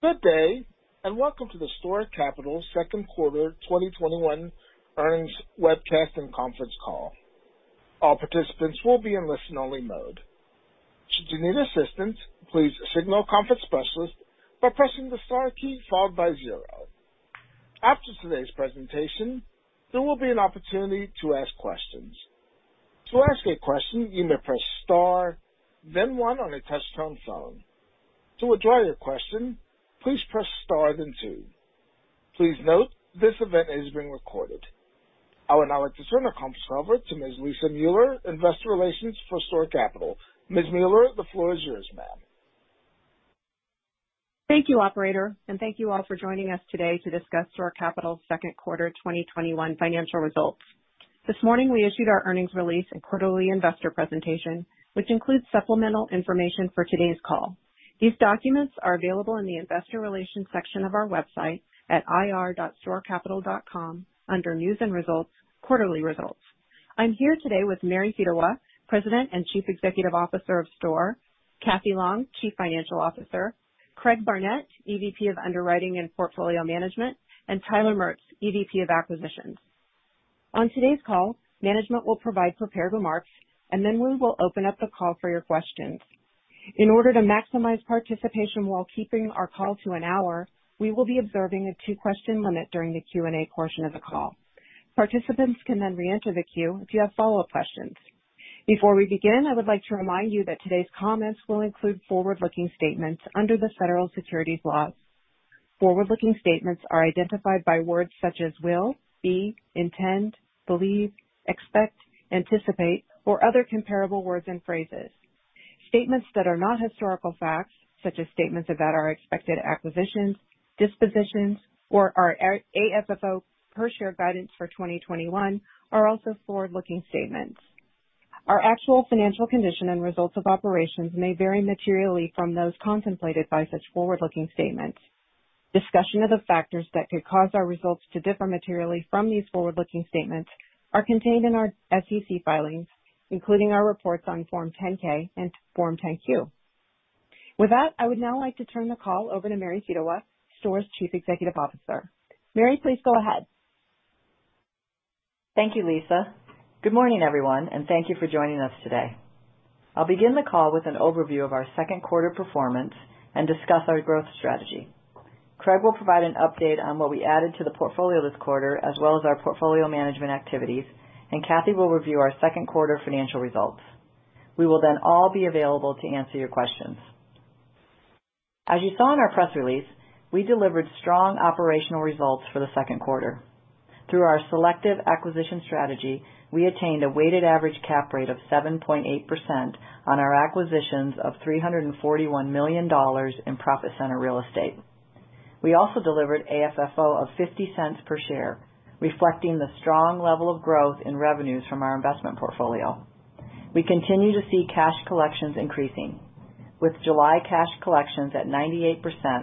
Good day, and welcome to the STORE Capital second quarter 2021 earnings webcast and conference call. I would now like to turn the conference over to Ms. Lisa Mueller, Investor Relations for STORE Capital. Ms. Mueller, the floor is yours, ma'am. Thank you, operator, and thank you all for joining us today to discuss STORE Capital's second quarter 2021 financial results. This morning, we issued our earnings release and quarterly investor presentation, which includes supplemental information for today's call. These documents are available in the investor relations section of our website at ir.storecapital.com under News and Results, Quarterly Results. I'm here today with Mary Fedewa, President and Chief Executive Officer of STORE, Cathy Long, Chief Financial Officer, Craig Barnett, EVP of Underwriting and Portfolio Management, and Tyler Maertz, EVP of Acquisitions. On today's call, management will provide prepared remarks, and then we will open up the call for your questions. In order to maximize participation while keeping our call to an hour, we will be observing a 2-question limit during the Q&A portion of the call. Participants can then reenter the queue if you have follow-up questions. Before we begin, I would like to remind you that today's comments will include forward-looking statements under the federal securities laws. Forward-looking statements are identified by words such as will, be, intend, believe, expect, anticipate, or other comparable words and phrases. Statements that are not historical facts, such as statements about our expected acquisitions, dispositions, or our AFFO per share guidance for 2021 are also forward-looking statements. Our actual financial condition and results of operations may vary materially from those contemplated by such forward-looking statements. Discussion of the factors that could cause our results to differ materially from these forward-looking statements are contained in our SEC filings, including our reports on Form 10-K and Form 10-Q. With that, I would now like to turn the call over to Mary Fedewa, STORE's Chief Executive Officer. Mary, please go ahead. Thank you, Lisa. Good morning, everyone. Thank you for joining us today. I'll begin the call with an overview of our second quarter performance and discuss our growth strategy. Craig will provide an update on what we added to the portfolio this quarter as well as our portfolio management activities. Cathy will review our second quarter financial results. We will all be available to answer your questions. As you saw in our press release, we delivered strong operational results for the second quarter. Through our selective acquisition strategy, we attained a weighted average cap rate of 7.8% on our acquisitions of $341 million in profit center real estate. We also delivered AFFO of $0.50 per share, reflecting the strong level of growth in revenues from our investment portfolio. We continue to see cash collections increasing, with July cash collections at 98%,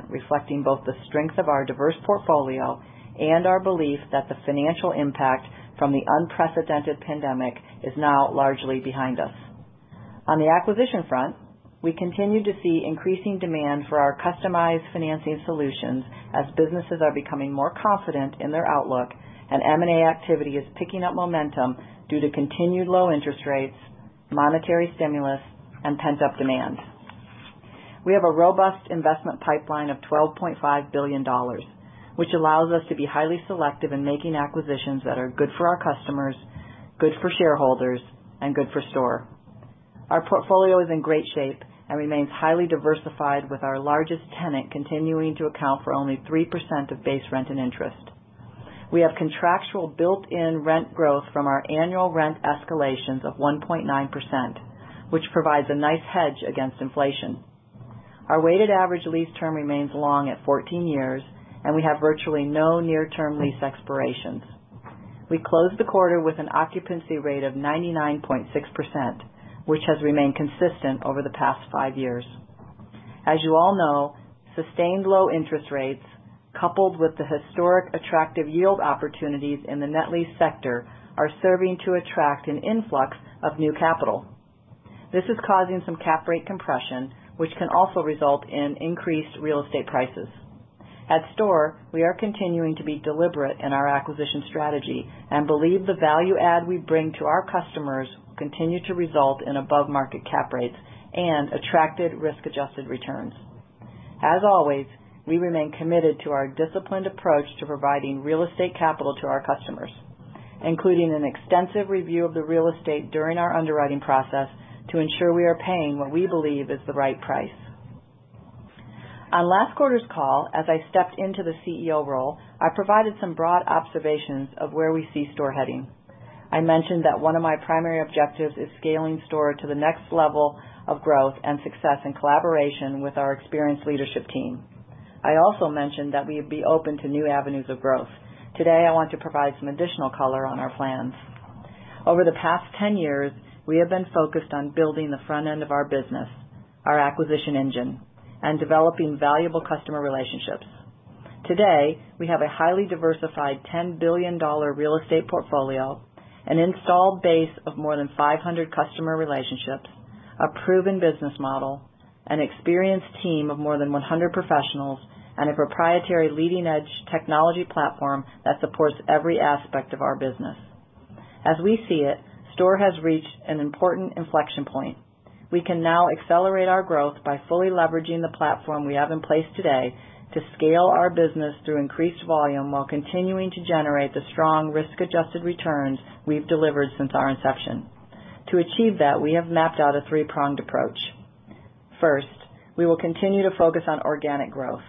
reflecting both the strength of our diverse portfolio and our belief that the financial impact from the unprecedented pandemic is now largely behind us. On the acquisition front, we continue to see increasing demand for our customized financing solutions as businesses are becoming more confident in their outlook and M&A activity is picking up momentum due to continued low interest rates, monetary stimulus, and pent-up demand. We have a robust investment pipeline of $12.5 billion, which allows us to be highly selective in making acquisitions that are good for our customers, good for shareholders, and good for STORE. Our portfolio is in great shape and remains highly diversified with our largest tenant continuing to account for only 3% of base rent and interest. We have contractual built-in rent growth from our annual rent escalations of 1.9%, which provides a nice hedge against inflation. Our weighted average lease term remains long at 14 years, and we have virtually no near-term lease expirations. We closed the quarter with an occupancy rate of 99.6%, which has remained consistent over the past five years. As you all know, sustained low interest rates coupled with the historic attractive yield opportunities in the net lease sector are serving to attract an influx of new capital. This is causing some cap rate compression, which can also result in increased real estate prices. At STORE, we are continuing to be deliberate in our acquisition strategy and believe the value add we bring to our customers will continue to result in above-market cap rates and attractive risk-adjusted returns. As always, we remain committed to our disciplined approach to providing real estate capital to our customers, including an extensive review of the real estate during our underwriting process to ensure we are paying what we believe is the right price. On last quarter's call, as I stepped into the CEO role, I provided some broad observations of where we see STORE heading. I mentioned that one of my primary objectives is scaling STORE to the next level of growth and success in collaboration with our experienced leadership team. I also mentioned that we would be open to new avenues of growth. Today, I want to provide some additional color on our plans. Over the past 10 years, we have been focused on building the front end of our business, our acquisition engine, and developing valuable customer relationships. Today, we have a highly diversified $10 billion real estate portfolio, an installed base of more than 500 customer relationships, a proven business model, an experienced team of more than 100 professionals, and a proprietary leading-edge technology platform that supports every aspect of our business. As we see it, STORE has reached an important inflection point. We can now accelerate our growth by fully leveraging the platform we have in place today to scale our business through increased volume while continuing to generate the strong risk-adjusted returns we've delivered since our inception. To achieve that, we have mapped out a three-pronged approach. First, we will continue to focus on organic growth.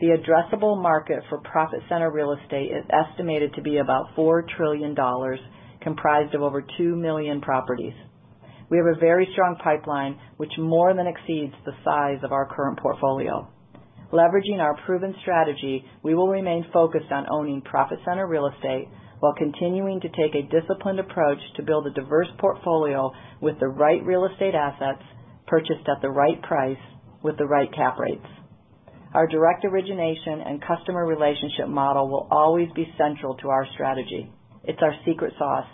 The addressable market for profit center real estate is estimated to be about $4 trillion, comprised of over 2 million properties. We have a very strong pipeline, which more than exceeds the size of our current portfolio. Leveraging our proven strategy, we will remain focused on owning profit center real estate while continuing to take a disciplined approach to build a diverse portfolio with the right real estate assets purchased at the right price with the right cap rates. Our direct origination and customer relationship model will always be central to our strategy. It's our secret sauce,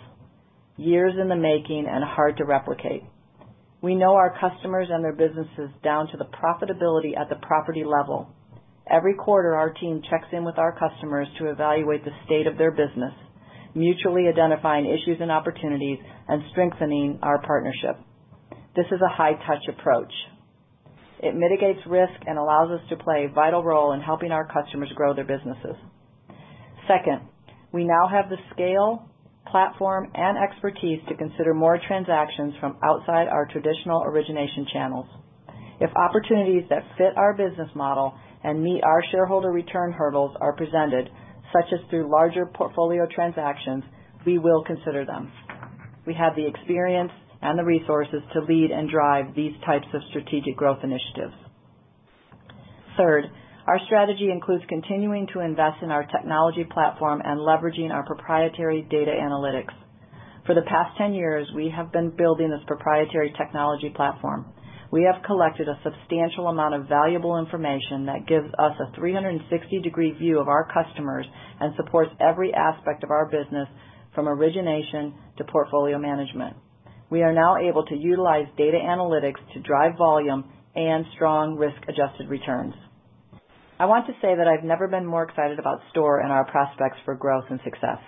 years in the making and hard to replicate. We know our customers and their businesses down to the profitability at the property level. Every quarter, our team checks in with our customers to evaluate the state of their business, mutually identifying issues and opportunities and strengthening our partnership. This is a high-touch approach. It mitigates risk and allows us to play a vital role in helping our customers grow their businesses. Second, we now have the scale, platform, and expertise to consider more transactions from outside our traditional origination channels. If opportunities that fit our business model and meet our shareholder return hurdles are presented, such as through larger portfolio transactions, we will consider them. We have the experience and the resources to lead and drive these types of strategic growth initiatives. Third, our strategy includes continuing to invest in our technology platform and leveraging our proprietary data analytics. For the past 10 years, we have been building this proprietary technology platform. We have collected a substantial amount of valuable information that gives us a 360-degree view of our customers and supports every aspect of our business from origination to portfolio management. We are now able to utilize data analytics to drive volume and strong risk-adjusted returns. I want to say that I've never been more excited about STORE and our prospects for growth and success.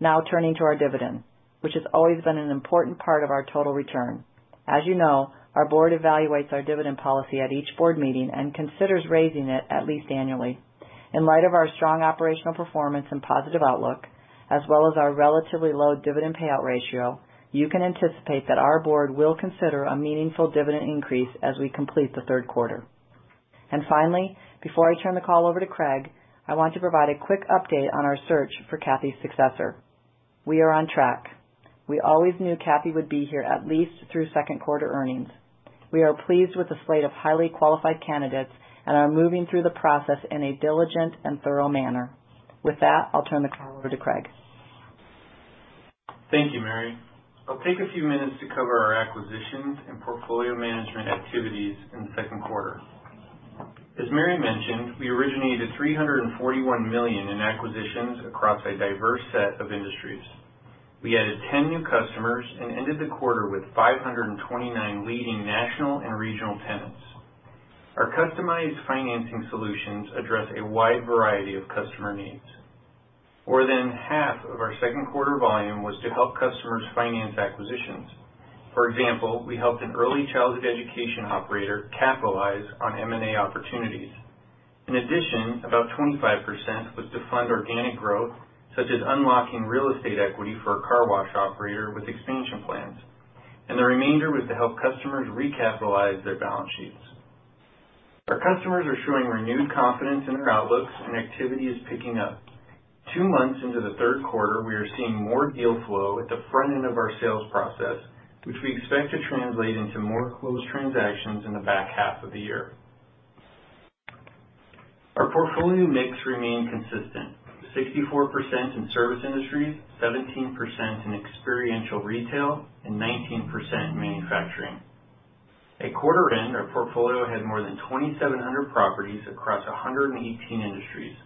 Now turning to our dividend, which has always been an important part of our total return. As you know, our board evaluates our dividend policy at each board meeting and considers raising it at least annually. In light of our strong operational performance and positive outlook, as well as our relatively low dividend payout ratio, you can anticipate that our board will consider a meaningful dividend increase as we complete the third quarter. Finally, before I turn the call over to Craig, I want to provide a quick update on our search for Cathy's successor. We are on track. We always knew Cathy would be here at least through second quarter earnings. We are pleased with the slate of highly qualified candidates and are moving through the process in a diligent and thorough manner. With that, I'll turn the call over to Craig. Thank you, Mary. I'll take a few minutes to cover our acquisitions and portfolio management activities in the second quarter. As Mary mentioned, we originated $341 million in acquisitions across a diverse set of industries. We added 10 new customers and ended the quarter with 529 leading national and regional tenants. Our customized financing solutions address a wide variety of customer needs. More than half of our second quarter volume was to help customers finance acquisitions. For example, we helped an early childhood education operator capitalize on M&A opportunities. In addition, about 25% was to fund organic growth, such as unlocking real estate equity for a car wash operator with expansion plans, and the remainder was to help customers recapitalize their balance sheets. Our customers are showing renewed confidence in their outlooks and activity is picking up. Two months into the third quarter, we are seeing more deal flow at the front end of our sales process, which we expect to translate into more closed transactions in the back half of the year. Our portfolio mix remained consistent. 64% in service industries, 17% in experiential retail, and 19% in manufacturing. At quarter end, our portfolio had more than 2,700 properties across 118 industries.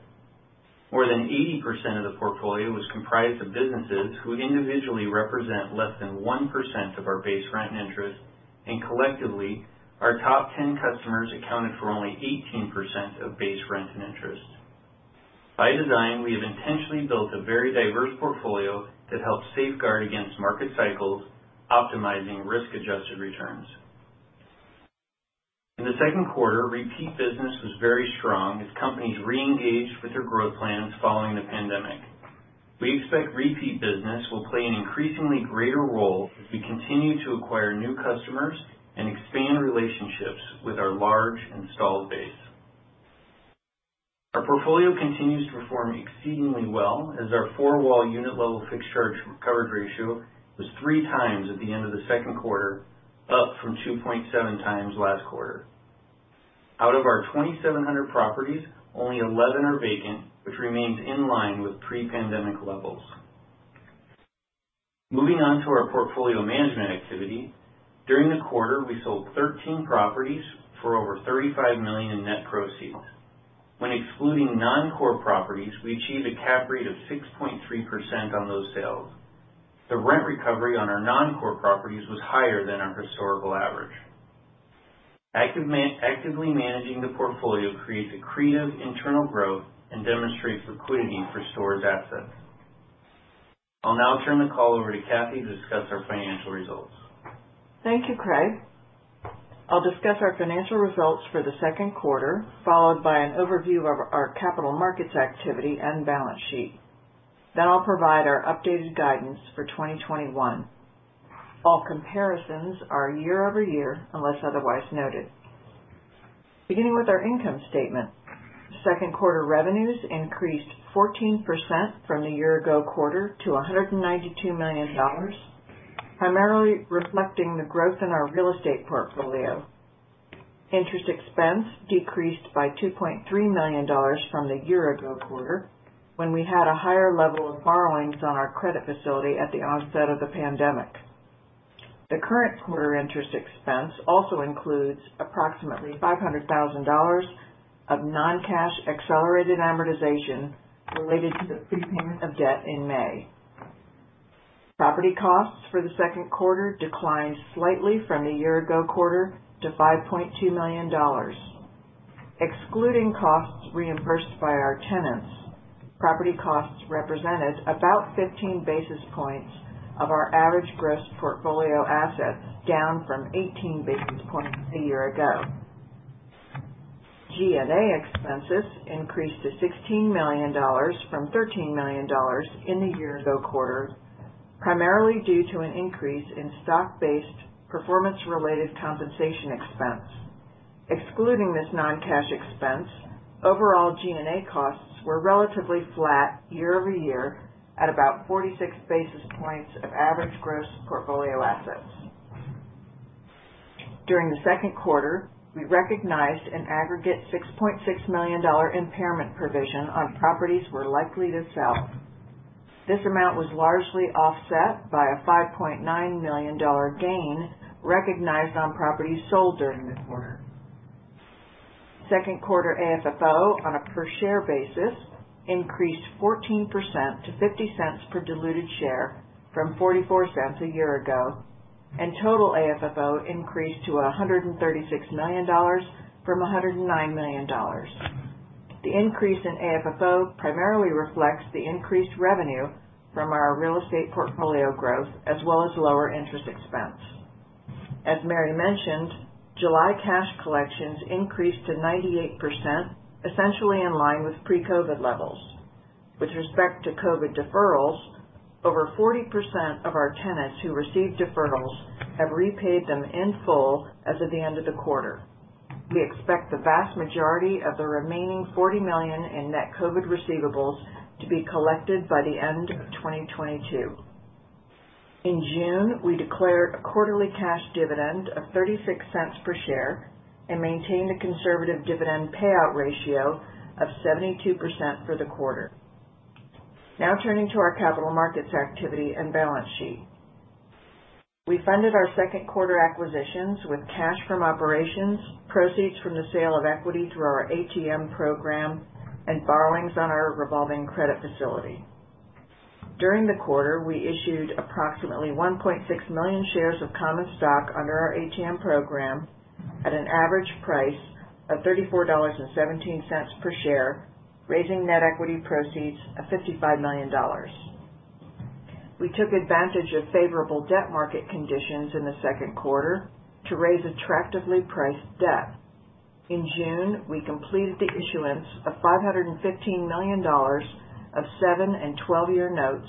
More than 80% of the portfolio was comprised of businesses who individually represent less than 1% of our base rent and interest, and collectively, our top 10 customers accounted for only 18% of base rent and interest. By design, we have intentionally built a very diverse portfolio that helps safeguard against market cycles, optimizing risk-adjusted returns. In the second quarter, repeat business was very strong as companies reengaged with their growth plans following the pandemic. We expect repeat business will play an increasingly greater role as we continue to acquire new customers and expand relationships with our large installed base. Our portfolio continues to perform exceedingly well as our four-wall unit level fixed charge coverage ratio was 3 times at the end of the second quarter, up from 2.7 times last quarter. Out of our 2,700 properties, only 11 are vacant, which remains in line with pre-pandemic levels. Moving on to our portfolio management activity. During the quarter, we sold 13 properties for over $35 million in net proceeds. When excluding non-core properties, we achieved a cap rate of 6.3% on those sales. The rent recovery on our non-core properties was higher than our historical average. Actively managing the portfolio creates accretive internal growth and demonstrates liquidity for STORE's assets. I'll now turn the call over to Cathy to discuss our financial results. Thank you, Craig. I'll discuss our financial results for the second quarter, followed by an overview of our capital markets activity and balance sheet. I'll provide our updated guidance for 2021. All comparisons are year-over-year unless otherwise noted. Beginning with our income statement. Second quarter revenues increased 14% from the year-ago quarter to $192 million, primarily reflecting the growth in our real estate portfolio. Interest expense decreased by $2.3 million from the year-ago quarter when we had a higher level of borrowings on our credit facility at the onset of the pandemic. The current quarter interest expense also includes approximately $500,000 of non-cash accelerated amortization related to the prepayment of debt in May. Property costs for the second quarter declined slightly from the year-ago quarter to $5.2 million. Excluding costs reimbursed by our tenants, property costs represented about 15 basis points of our average gross portfolio assets, down from 18 basis points a year ago. G&A expenses increased to $16 million from $13 million in the year ago quarter, primarily due to an increase in stock-based performance-related compensation expense. Excluding this non-cash expense, overall G&A costs were relatively flat year-over-year at about 46 basis points of average gross portfolio assets. During the second quarter, we recognized an aggregate $6.6 million impairment provision on properties we're likely to sell. This amount was largely offset by a $5.9 million gain recognized on properties sold during the quarter. Second quarter AFFO on a per share basis increased 14% to $0.50 per diluted share from $0.44 a year ago, and total AFFO increased to $136 million from $109 million. The increase in AFFO primarily reflects the increased revenue from our real estate portfolio growth as well as lower interest expense. As Mary mentioned, July cash collections increased to 98%, essentially in line with pre-COVID levels. With respect to COVID deferrals, over 40% of our tenants who received deferrals have repaid them in full as of the end of the quarter. We expect the vast majority of the remaining $40 million in net COVID receivables to be collected by the end of 2022. In June, we declared a quarterly cash dividend of $0.36 per share and maintained a conservative dividend payout ratio of 72% for the quarter. Turning to our capital markets activity and balance sheet. We funded our second quarter acquisitions with cash from operations, proceeds from the sale of equity through our ATM program, and borrowings on our revolving credit facility. During the quarter, we issued approximately 1.6 million shares of common stock under our ATM program at an average price of $34.17 per share, raising net equity proceeds of $55 million. We took advantage of favorable debt market conditions in the second quarter to raise attractively priced debt. In June, we completed the issuance of $515 million of seven and 12-year notes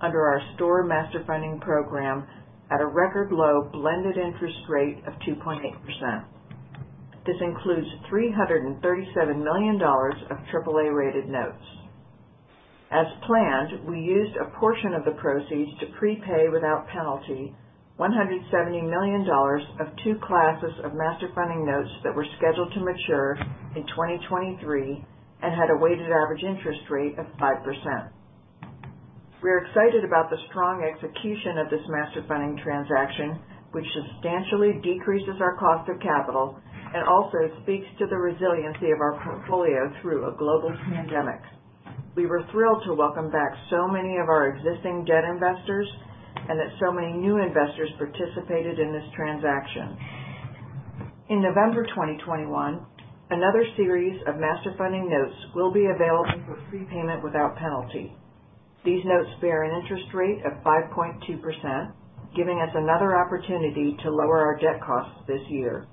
under our STORE Master Funding program at a record low blended interest rate of 2.8%. This includes $337 million of AAA-rated notes. As planned, we used a portion of the proceeds to prepay without penalty $170 million of 2 classes of Master Funding notes that were scheduled to mature in 2023 and had a weighted average interest rate of 5%. We are excited about the strong execution of this Master Funding transaction, which substantially decreases our cost of capital and also speaks to the resiliency of our portfolio through a global pandemic. We were thrilled to welcome back so many of our existing debt investors and that so many new investors participated in this transaction. In November 2021, another series of Master Funding notes will be available for prepayment without penalty. These notes bear an interest rate of 5.2%, giving us another opportunity to lower our debt costs this year.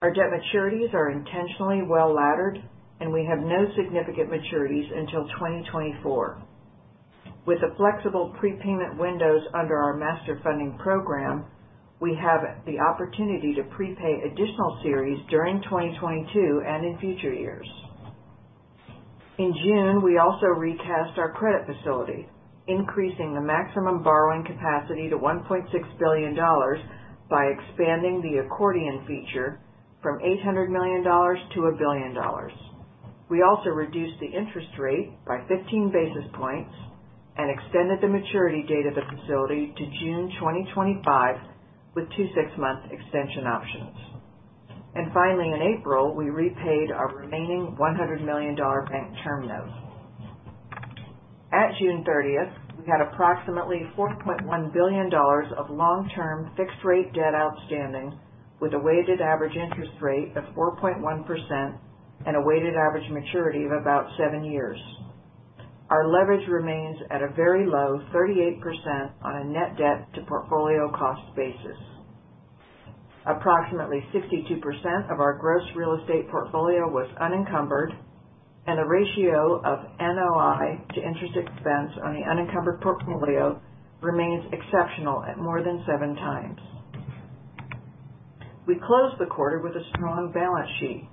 Our debt maturities are intentionally well-laddered, and we have no significant maturities until 2024. With the flexible prepayment windows under our Master Funding program, we have the opportunity to prepay additional series during 2022 and in future years. In June, we also recast our credit facility, increasing the maximum borrowing capacity to $1.6 billion by expanding the accordion feature from $800 million to $1 billion. We also reduced the interest rate by 15 basis points and extended the maturity date of the facility to June 2025 with two 6-month extension options. Finally, in April, we repaid our remaining $100 million bank term note. At June 30th, we had approximately $4.1 billion of long-term fixed-rate debt outstanding with a weighted average interest rate of 4.1% and a weighted average maturity of about 7 years. Our leverage remains at a very low 38% on a net debt to portfolio cost basis. Approximately 62% of our gross real estate portfolio was unencumbered, a ratio of NOI to interest expense on the unencumbered portfolio remains exceptional at more than 7 times. We closed the quarter with a strong balance sheet.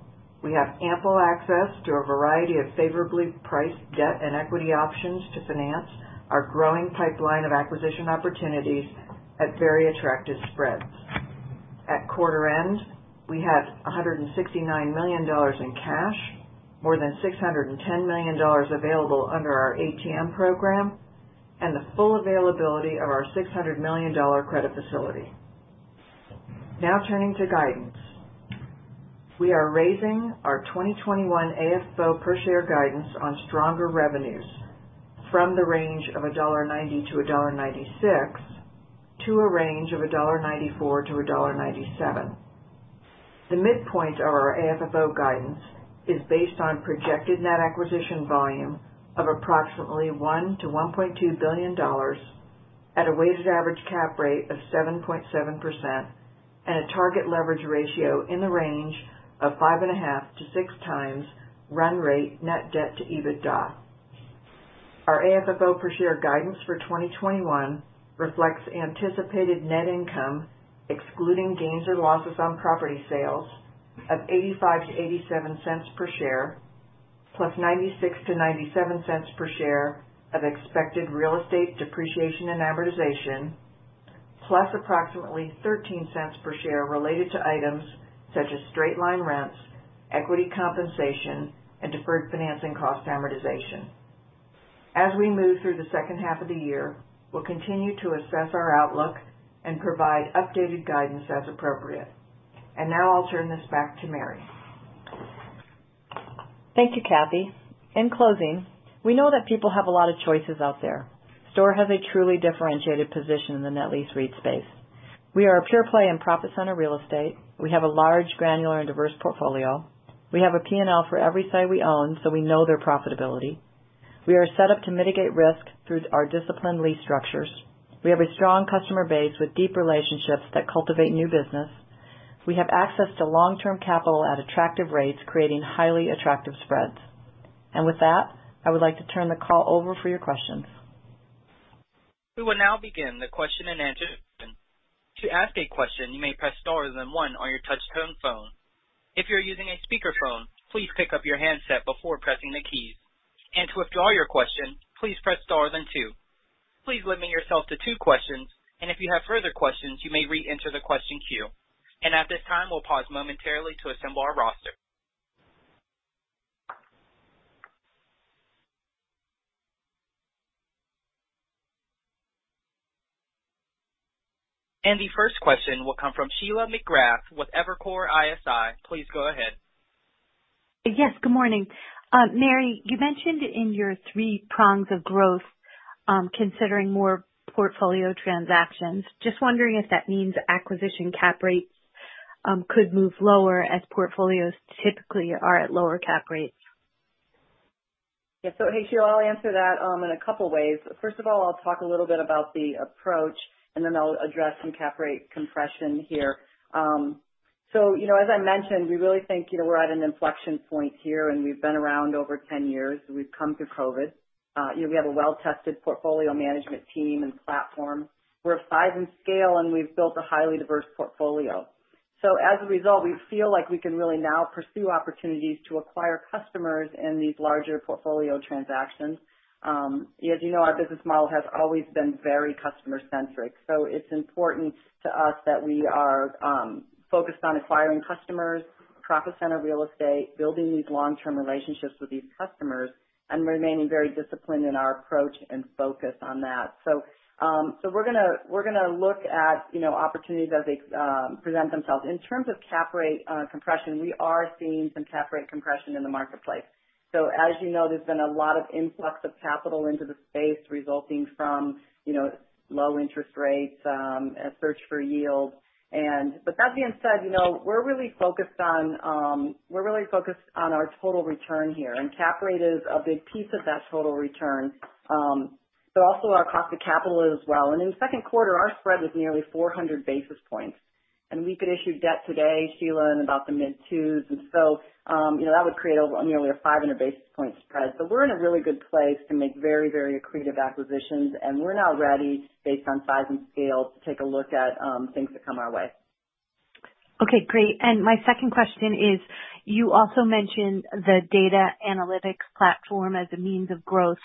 We have ample access to a variety of favorably priced debt and equity options to finance our growing pipeline of acquisition opportunities at very attractive spreads. At quarter end, we had $169 million in cash, more than $610 million available under our ATM program, and the full availability of our $600 million credit facility. Now turning to guidance. We are raising our 2021 AFFO per share guidance on stronger revenues from the range of $1.90-$1.96 to a range of $1.94-$1.97. The midpoint of our AFFO guidance is based on projected net acquisition volume of approximately $1 billion-$1.2 billion at a weighted average cap rate of 7.7% and a target leverage ratio in the range of 5.5 to 6 times run rate net debt to EBITDA. Our AFFO per share guidance for 2021 reflects anticipated net income, excluding gains or losses on property sales, of $0.85-$0.87 per share, plus $0.96-$0.97 per share of expected real estate depreciation and amortization, plus approximately $0.13 per share related to items such as straight-line rents, equity compensation, and deferred financing cost amortization. As we move through the second half of the year, we'll continue to assess our outlook and provide updated guidance as appropriate. Now I'll turn this back to Mary. Thank you, Cathy. In closing, we know that people have a lot of choices out there. STORE has a truly differentiated position in the net lease REIT space. We are a pure play in profit center real estate. We have a large granular and diverse portfolio. We have a P&L for every site we own, so we know their profitability. We are set up to mitigate risk through our disciplined lease structures. We have a strong customer base with deep relationships that cultivate new business. We have access to long-term capital at attractive rates, creating highly attractive spreads. With that, I would like to turn the call over for your questions. We will now begin the question-and-answer. To ask a question, you may press star then one on your touchtone phone. If you're using a speakerphone, please pick up your handset before pressing the keys. To withdraw your question, please press star then two. Please limit yourself to two questions. If you have further questions, you may reenter the question queue. At this time, we'll pause momentarily to assemble our roster. The first question will come from Sheila McGrath with Evercore ISI. Please go ahead. Yes, good morning. Mary, you mentioned in your three prongs of growth, considering more portfolio transactions. Just wondering if that means acquisition cap rates could move lower as portfolios typically are at lower cap rates. Hey, Sheila, I'll answer that in a couple of ways. First of all, I'll talk a little bit about the approach. I'll address some cap rate compression here. As I mentioned, we really think we're at an inflection point here. We've been around over 10 years. We've come through COVID. We have a well-tested portfolio management team and platform. We're at size and scale. We've built a highly diverse portfolio. As a result, we feel like we can really now pursue opportunities to acquire customers in these larger portfolio transactions. As you know, our business model has always been very customer-centric. It's important to us that we are focused on acquiring customers, profit center real estate, building these long-term relationships with these customers, and remaining very disciplined in our approach and focus on that. We're going to look at opportunities as they present themselves. In terms of cap rate compression, we are seeing some cap rate compression in the marketplace. As you know, there's been a lot of influx of capital into the space resulting from low interest rates, a search for yield. That being said, we're really focused on our total return here, and cap rate is a big piece of that total return. Also our cost of capital as well. In the second quarter, our spread was nearly 400 basis points, and we could issue debt today, Sheila McGrath, in about the mid-2s. That would create nearly a 500 basis point spread. We're in a really good place to make very accretive acquisitions, and we're now ready, based on size and scale, to take a look at things that come our way. Okay, great. My second question is, you also mentioned the data analytics platform as a means of growth.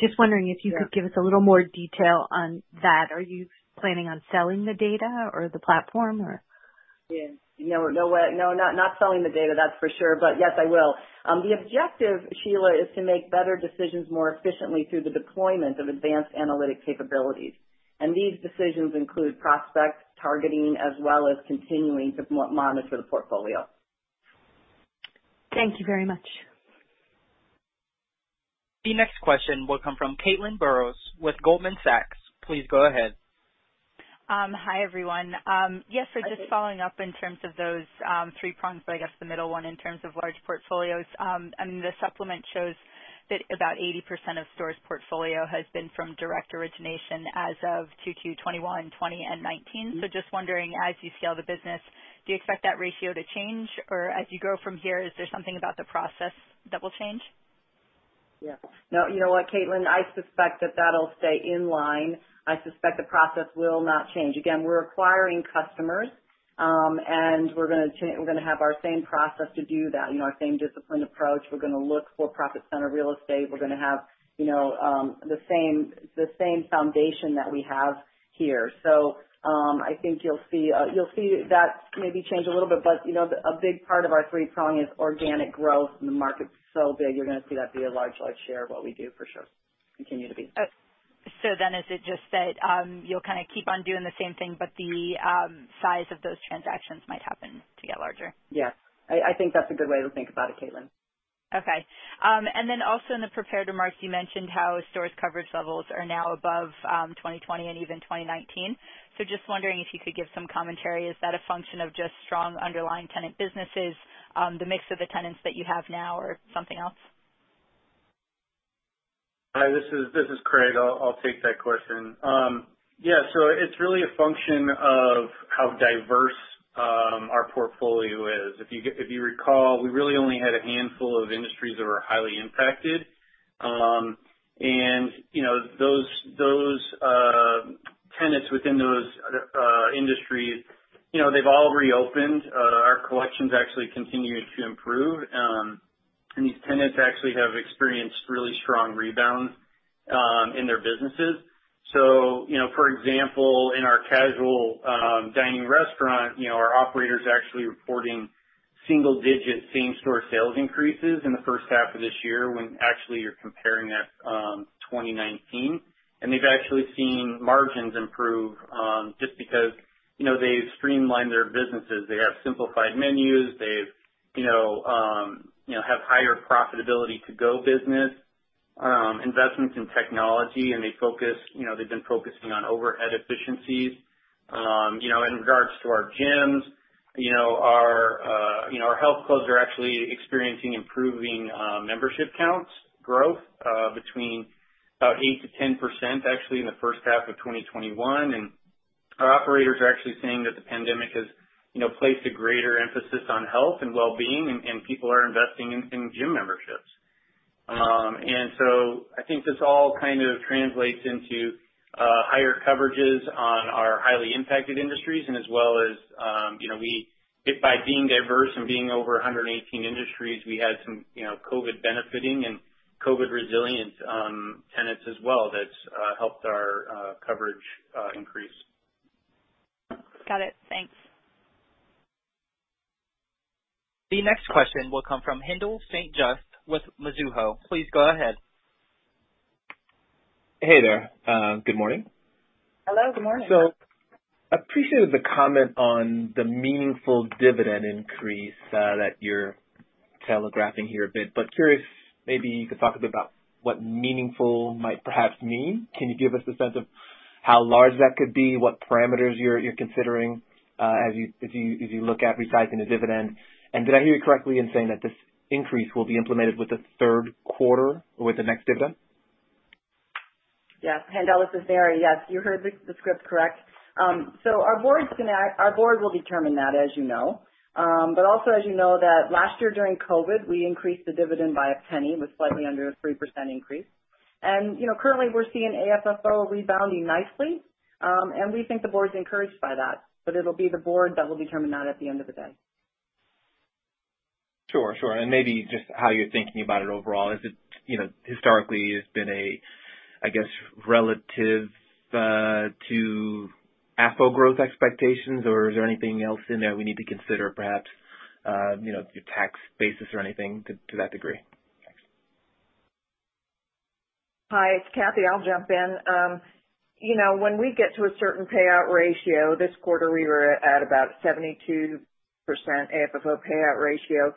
Just wondering if you could give us a little more detail on that. Are you planning on selling the data or the platform, or? Yeah. No, not selling the data, that's for sure. Yes, I will. The objective, Sheila, is to make better decisions more efficiently through the deployment of advanced analytic capabilities. These decisions include prospects, targeting, as well as continuing to monitor the portfolio. Thank you very much. The next question will come from Caitlin Burrows with Goldman Sachs. Please go ahead. Hi, everyone. Yes, just following up in terms of those three prongs, but I guess the middle one in terms of large portfolios. The supplement shows that about 80% of STORE's portfolio has been from direct origination as of 2Q 2021, 2020, and 2019. Just wondering, as you scale the business, do you expect that ratio to change? Or as you grow from here, is there something about the process that will change? Yeah. No, you know what, Caitlin? I suspect that that'll stay in line. I suspect the process will not change. Again, we're acquiring customers, and we're going to have our same process to do that, our same disciplined approach. We're going to look for profit center real estate. We're going to have the same foundation that we have here. I think you'll see that maybe change a little bit. A big part of our three-prong is organic growth, and the market's so big, you're going to see that be a large share of what we do for sure. Continue to be. Is it just that you'll kind of keep on doing the same thing, but the size of those transactions might happen to get larger? Yes. I think that's a good way to think about it, Caitlin. Okay. Also in the prepared remarks, you mentioned how STORE's coverage levels are now above 2020 and even 2019. Just wondering if you could give some commentary. Is that a function of just strong underlying tenant businesses, the mix of the tenants that you have now, or something else? Hi, this is Craig. I'll take that question. Yeah. It's really a function of how diverse our portfolio is. If you recall, we really only had a handful of industries that were highly impacted. Those tenants within those industries, they've all reopened. Our collections actually continued to improve. These tenants actually have experienced really strong rebounds in their businesses. For example, in our casual dining restaurant, our operator's actually reporting single-digit same store sales increases in the first half of this year when actually you're comparing that 2019. They've actually seen margins improve just because they've streamlined their businesses. They have simplified menus. They have higher profitability to-go business, investments in technology, and they've been focusing on overhead efficiencies. In regards to our gyms, our health clubs are actually experiencing improving membership counts growth between about 8%-10% actually in the first half of 2021. Our operators are actually saying that the pandemic has placed a greater emphasis on health and wellbeing, and people are investing in gym memberships. I think this all kind of translates into higher coverages on our highly impacted industries and as well as by being diverse and being over 118 industries, we had some COVID benefiting and COVID resilient tenants as well that have helped our coverage increase. Got it. Thanks. The next question will come from Haendel St. Juste with Mizuho. Please go ahead. Hey there. Good morning. Hello. Good morning. Appreciated the comment on the meaningful dividend increase that you're telegraphing here a bit. Curious, maybe you could talk a bit about what meaningful might perhaps mean? Can you give us a sense of how large that could be, what parameters you're considering as you look at resizing the dividend? Did I hear you correctly in saying that this increase will be implemented with the third quarter or with the next dividend? Yes. Haendel, this is Mary. Yes, you heard the script correct. Our board will determine that, as you know. Also as you know that last year during COVID, we increased the dividend by $0.01. It was slightly under a 3% increase. Currently we're seeing AFFO rebounding nicely. We think the board's encouraged by that. It'll be the board that will determine that at the end of the day. Sure. Maybe just how you're thinking about it overall. Historically, it's been a, I guess, relative to AFFO growth expectations or is there anything else in there we need to consider perhaps, your tax basis or anything to that degree? Thanks. Hi, it's Cathy. I'll jump in. When we get to a certain payout ratio, this quarter we were at about 72% AFFO payout ratio.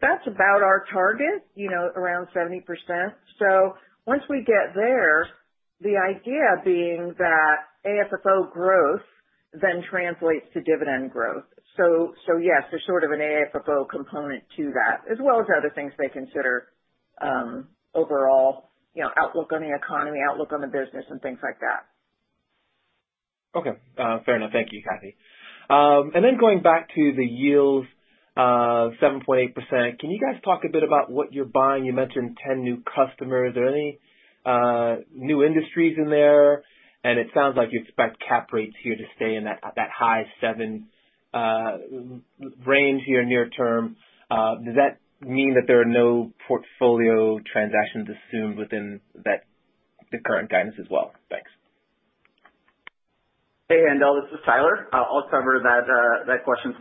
That's about our target, around 70%. Once we get there, the idea being that AFFO growth then translates to dividend growth. Yes, there's sort of an AFFO component to that, as well as other things they consider overall outlook on the economy, outlook on the business, and things like that. Okay. Fair enough. Thank you, Cathy. Going back to the yields of 7.8%, can you guys talk a bit about what you're buying? You mentioned 10 new customers. Are there any new industries in there? It sounds like you expect cap rates here to stay in that high 7 range here near term. Does that mean that there are no portfolio transactions assumed within that current guidance as well. Thanks. Hey, Haendel. This is Tyler. I'll cover that question.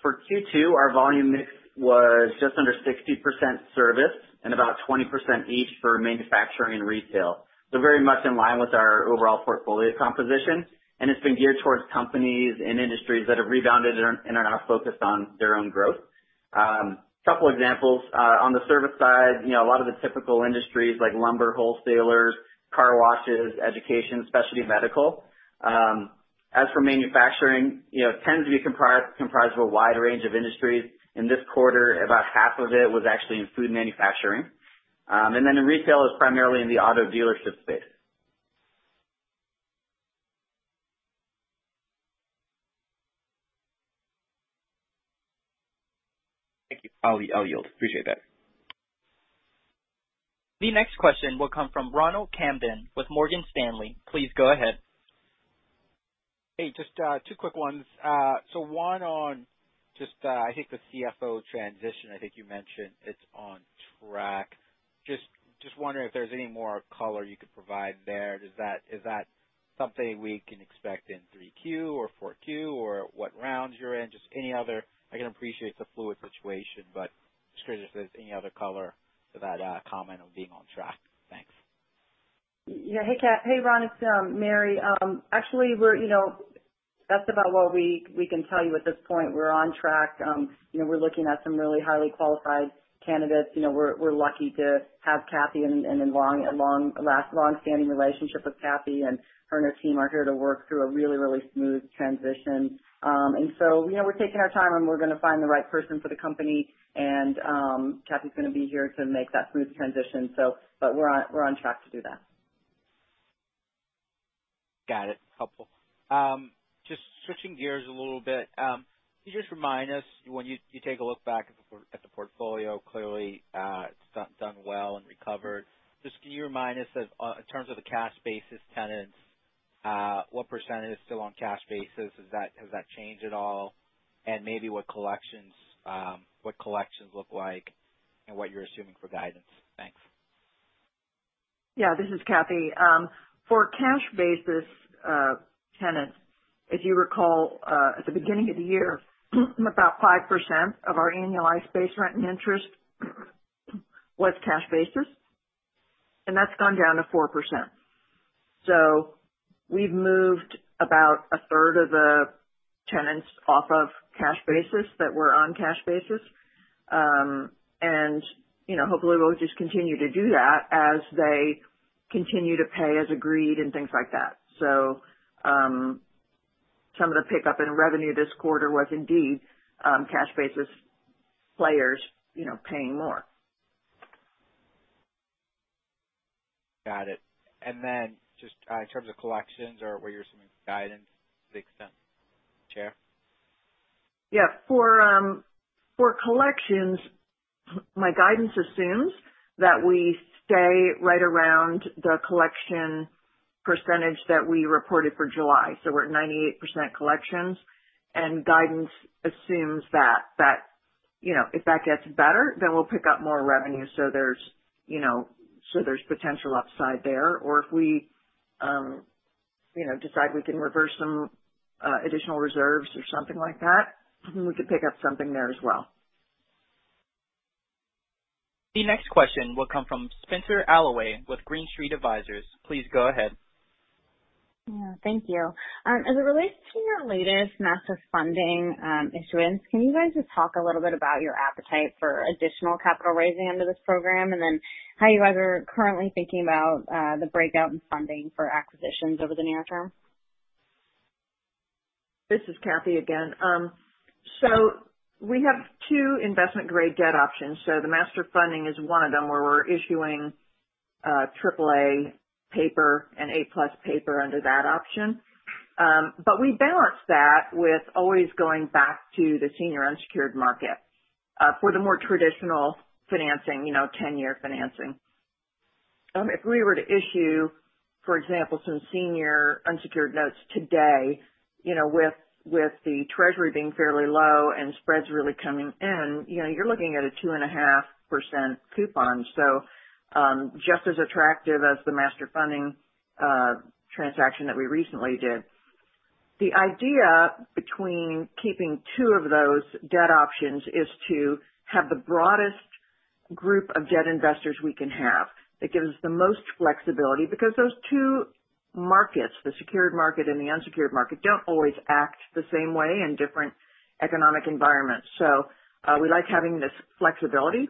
For Q2, our volume mix was just under 60% service and about 20% each for manufacturing and retail. Very much in line with our overall portfolio composition, and it's been geared towards companies and industries that have rebounded and are now focused on their own growth. Couple examples. On the service side, a lot of the typical industries like lumber wholesalers, car washes, education, specialty medical. As for manufacturing, tends to be comprised of a wide range of industries. In this quarter, about half of it was actually in food manufacturing. In retail, is primarily in the auto dealership space. Thank you. I'll yield. Appreciate that. The next question will come from Ronald Kamdem with Morgan Stanley. Please go ahead. Hey, just 2 quick ones. 1 on just, I think the CFO transition. I think you mentioned it's on track. Just wondering if there's any more color you could provide there. Is that something we can expect in 3Q or 4Q? What rounds you're in? I can appreciate it's a fluid situation, but just curious if there's any other color to that comment of being on track. Thanks. Yeah. Hey, Ron, it's Mary. Actually, that's about what we can tell you at this point. We're on track. We're looking at some really highly qualified candidates. We're lucky to have Cathy and a longstanding relationship with Cathy. Her and her team are here to work through a really, really smooth transition. So, we're taking our time, and we're going to find the right person for the company, and Cathy's going to be here to make that smooth transition. We're on track to do that. Got it. Helpful. Just switching gears a little bit. Can you just remind us, when you take a look back at the portfolio, clearly, it's done well and recovered. Just can you remind us of, in terms of the cash basis tenants, what percentage is still on cash basis? Has that changed at all? Maybe what collections look like and what you're assuming for guidance. Thanks. Yeah, this is Cathy. For cash basis tenants, if you recall, at the beginning of the year, about 5% of our annualized base rent and interest was cash basis, and that's gone down to 4%. So we've moved about a third of the tenants off of cash basis that were on cash basis. And hopefully we'll just continue to do that as they continue to pay as agreed and things like that. So, some of the pickup in revenue this quarter was indeed cash basis players paying more. Got it. Then just in terms of collections or what you're assuming for guidance to the extent, Chair? Yeah. For collections, my guidance assumes that we stay right around the collection percentage that we reported for July. We're at 98% collections, and guidance assumes that. If that gets better, then we'll pick up more revenue, so there's potential upside there. If we decide we can reverse some additional reserves or something like that, we could pick up something there as well. The next question will come from Spenser Allaway with Green Street Advisors. Please go ahead. Yeah, thank you. As it relates to your latest Master Funding issuance, can you guys just talk a little bit about your appetite for additional capital raising under this program, and then how you guys are currently thinking about the breakout in funding for acquisitions over the near term? This is Cathy again. We have two investment-grade debt options. The Master Funding is one of them, where we're issuing AAA paper and A+ paper under that option. We balance that with always going back to the senior unsecured market, for the more traditional financing, 10-year financing. If we were to issue, for example, some senior unsecured notes today, with the Treasury being fairly low and spreads really coming in, you're looking at a 2.5% coupon. Just as attractive as the Master Funding transaction that we recently did. The idea between keeping two of those debt options is to have the broadest group of debt investors we can have. That gives us the most flexibility because those two markets, the secured market and the unsecured market, don't always act the same way in different economic environments. We like having this flexibility.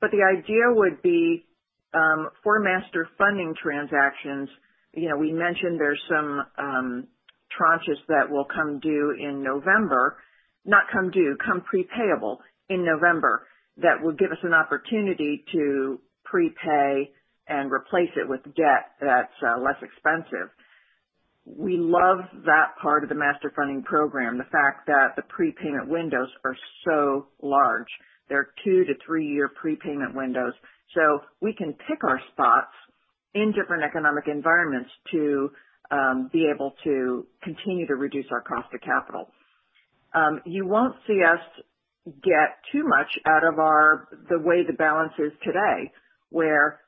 The idea would be, for STORE Master Funding transactions, we mentioned there's some tranches that will come due in November. Not come due. Come pre-payable in November that will give us an opportunity to prepay and replace it with debt that's less expensive. We love that part of the STORE Master Funding program, the fact that the prepayment windows are so large. They're 2-3-year prepayment windows. We can pick our spots in different economic environments to be able to continue to reduce our cost of capital. You won't see us get too much out of the way the balance is today, where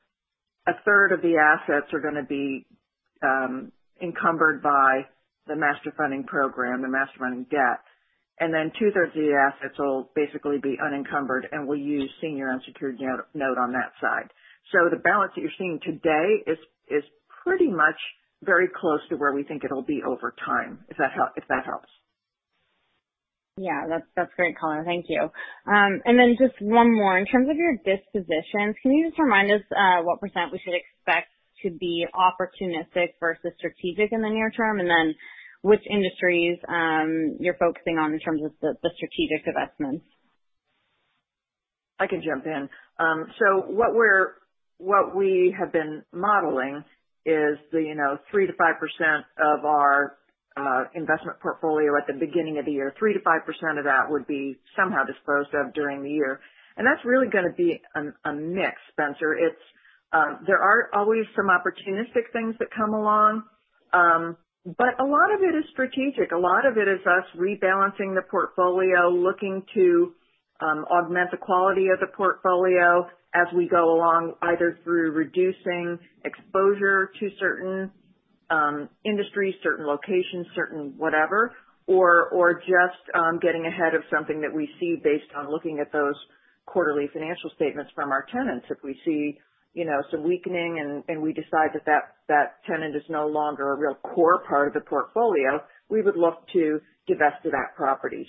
a third of the assets are going to be encumbered by the STORE Master Funding program, the STORE Master Funding debt, and then two-thirds of the assets will basically be unencumbered, and we use senior unsecured note on that side. The balance that you're seeing today is pretty much very close to where we think it'll be over time, if that helps. Yeah. That's great, Cathy. Thank you. Then just one more. In terms of your dispositions, can you just remind us what % we should expect to be opportunistic versus strategic in the near term, and then which industries you're focusing on in terms of the strategic divestments? I can jump in. What we have been modeling is the 3%-5% of our investment portfolio at the beginning of the year. 3%-5% of that would be somehow disposed of during the year. That's really going to be a mix, Spenser. There are always some opportunistic things that come along. A lot of it is strategic. A lot of it is us rebalancing the portfolio, looking to augment the quality of the portfolio as we go along, either through reducing exposure to certain industries, certain locations, certain whatever, or just getting ahead of something that we see based on looking at those quarterly financial statements from our tenants. If we see some weakening, and we decide that that tenant is no longer a real core part of the portfolio, we would look to divest of that property.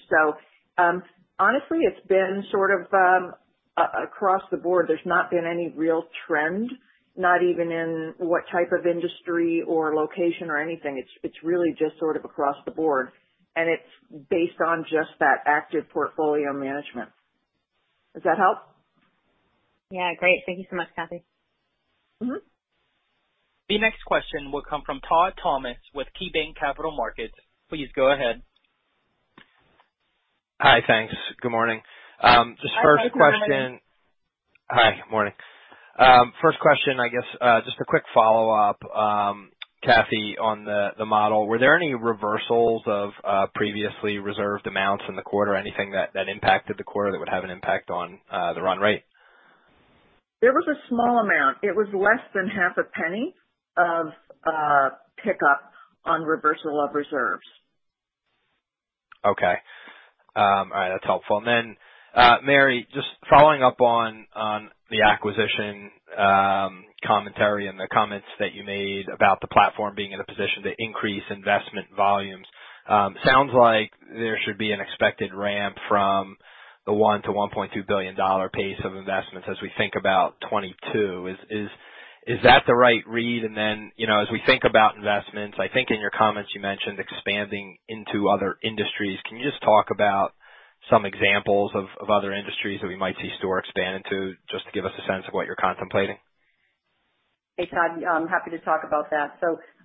Honestly, it's been sort of across the board. There's not been any real trend, not even in what type of industry or location or anything. It's really just sort of across the board, and it's based on just that active portfolio management. Does that help? Yeah. Great. Thank you so much, Cathy. The next question will come from Todd Thomas with KeyBanc Capital Markets. Please go ahead. Hi, thanks. Good morning. Hi, Todd. Good morning. Hi. Good morning. First question, I guess, just a quick follow-up, Cathy, on the model. Were there any reversals of previously reserved amounts in the quarter? Anything that impacted the quarter that would have an impact on the run rate? There was a small amount. It was less than half a penny of pickup on reversal of reserves. Okay. All right. That's helpful. Mary, just following up on the acquisition commentary and the comments that you made about the platform being in a position to increase investment volumes. Sounds like there should be an expected ramp from the $1 billion-$1.2 billion pace of investments as we think about 2022. Is that the right read? As we think about investments, I think in your comments you mentioned expanding into other industries. Can you just talk about some examples of other industries that we might see STORE expand into, just to give us a sense of what you're contemplating? Hey, Todd. I'm happy to talk about that.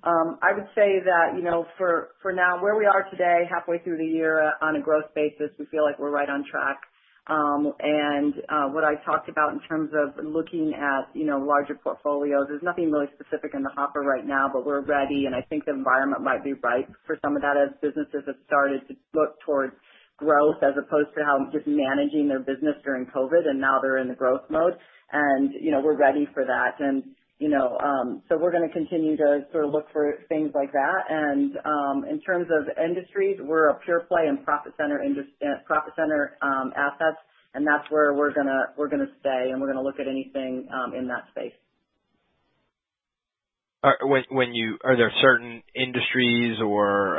I would say that for now, where we are today, halfway through the year, on a growth basis, we feel like we're right on track. What I talked about in terms of looking at larger portfolios, there's nothing really specific in the hopper right now, but we're ready, I think the environment might be ripe for some of that as businesses have started to look towards growth as opposed to how just managing their business during COVID. Now they're in the growth mode. We're ready for that. We're going to continue to sort of look for things like that. In terms of industries, we're a pure play in profit center assets, and that's where we're going to stay, and we're going to look at anything in that space. Are there certain industries or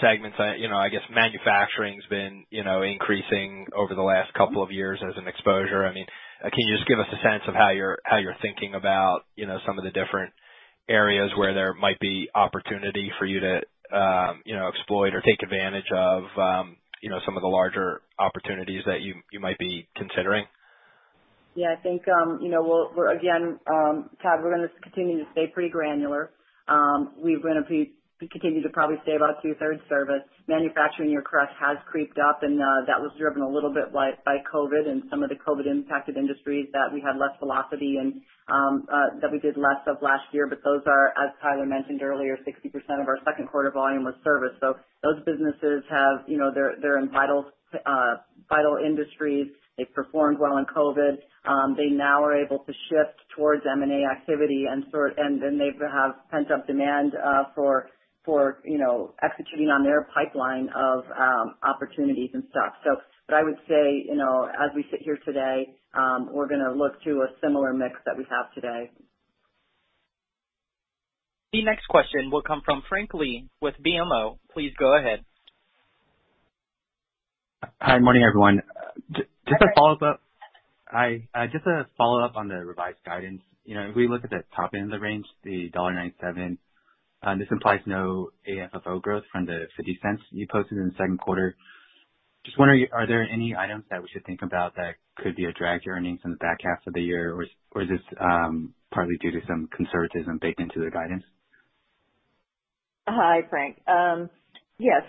segments, I guess manufacturing's been increasing over the last couple of years as an exposure. Can you just give us a sense of how you're thinking about some of the different areas where there might be opportunity for you to exploit or take advantage of some of the larger opportunities that you might be considering? Yeah. I think we're, again, Todd, we're going to continue to stay pretty granular. We're going to continue to probably stay about two-thirds service. Manufacturing, you're correct, has creeped up, and that was driven a little bit by COVID and some of the COVID-impacted industries that we had less velocity and that we did less of last year. Those are, as Tyler mentioned earlier, 60% of our second quarter volume was service. Those businesses, they're in vital industries. They performed well in COVID. They now are able to shift towards M&A activity. They have pent-up demand for executing on their pipeline of opportunities and stuff. I would say, as we sit here today, we're going to look to a similar mix that we have today. The next question will come from Frank Lee with BMO. Please go ahead. Hi. Morning, everyone. Hi, Frank Lee. Hi. Just a follow-up on the revised guidance. If we look at the top end of the range, the $1.97, this implies no AFFO growth from the $0.50 you posted in the second quarter. Just wondering, are there any items that we should think about that could be a drag to earnings in the back half of the year, or is this partly due to some conservatism baked into the guidance? Hi, Frank Lee. Yes.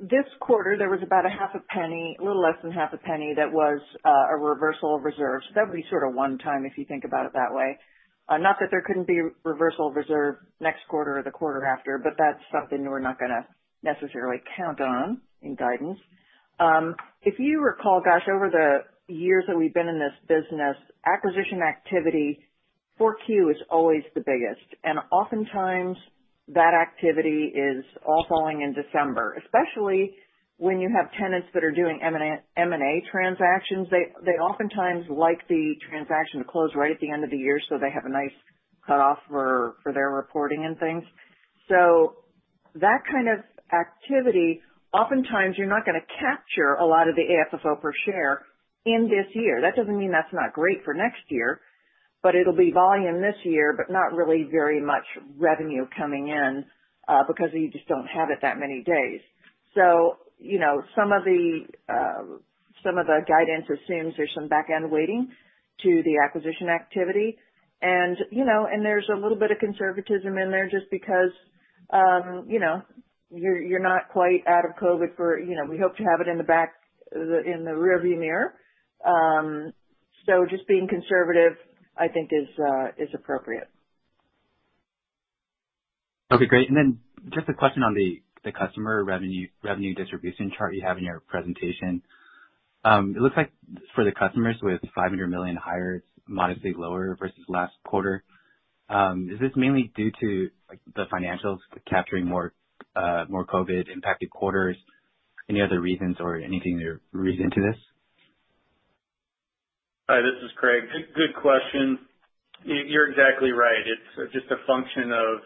This quarter, there was about $0.005, a little less than $0.005 that was a reversal of reserves. That would be sort of one-time if you think about it that way. Not that there couldn't be reversal reserve next quarter or the quarter after, that's something we're not going to necessarily count on in guidance. If you recall, gosh, over the years that we've been in this business, acquisition activity for Q is always the biggest. Oftentimes, that activity is all falling in December, especially when you have tenants that are doing M&A transactions. They oftentimes like the transaction to close right at the end of the year, so they have a nice cutoff for their reporting and things. That kind of activity, oftentimes, you're not going to capture a lot of the AFFO per share in this year. That doesn't mean that's not great for next year, but it'll be volume this year, but not really very much revenue coming in, because you just don't have it that many days. Some of the guidance assumes there's some back-end weighting to the acquisition activity. There's a little bit of conservatism in there just because you're not quite out of COVID. We hope to have it in the rearview mirror. Just being conservative, I think is appropriate. Okay, great. Then just a question on the customer revenue distribution chart you have in your presentation. It looks like for the customers with $500 million higher, it's modestly lower versus last quarter. Is this mainly due to the financials capturing more COVID impacted quarters? Any other reasons or anything you read into this? Hi, this is Craig. Good question. You're exactly right. It's just a function of,